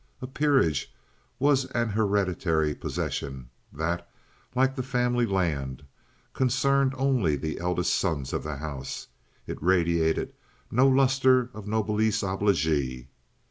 A peerage was an hereditary possession that, like the family land, concerned only the eldest sons of the house; it radiated no luster of noblesse oblige.